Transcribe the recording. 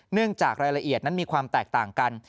เนื่องจากรายละเอียดนั้นมีความแตกต่างกัน